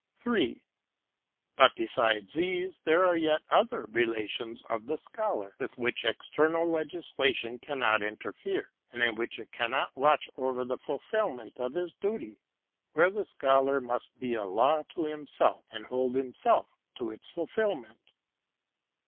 3. But besides these, there are yet other relations of the Scholar with which external legislation cannot interfere, and in which it cannot watch over the fulfilment of his duty where the Scholar must be a law to himself, and hold himself to its fulfilment.